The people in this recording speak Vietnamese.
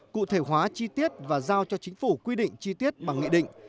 cụ thể hóa chi tiết và giao cho chính phủ quy định chi tiết bằng nghị định